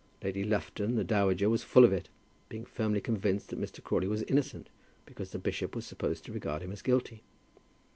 Lady Lufton, the dowager, was full of it, being firmly convinced that Mr. Crawley was innocent, because the bishop was supposed to regard him as guilty.